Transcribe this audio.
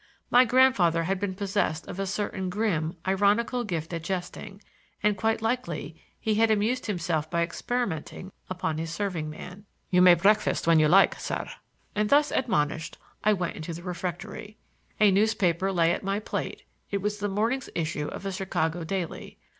My grandfather had been possessed of a certain grim, ironical gift at jesting, and quite likely he had amused himself by experimenting upon his serving man. "You may breakfast when you like, sir,"—and thus admonished I went into the refectory. A newspaper lay at my plate; it was the morning's issue of a Chicago daily.